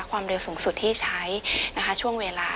ความเร็วสูงสุดที่ใช้นะคะช่วงเวลา